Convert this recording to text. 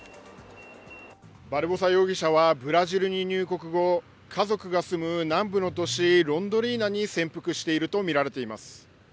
バルボサ容疑者はブラジルに入国後、家族が住む南部の都市ロンドリーナに潜伏しているとみられています。